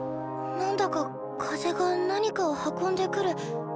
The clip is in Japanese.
何だか風が何かを運んでくる。